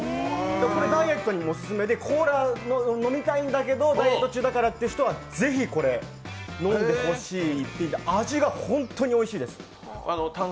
ダイエットにもお薦めで、コーラを飲みたいんだけれども、ダイエット中だからという人はぜひ、これ飲んでほしい一品で味がホントにおいしいです。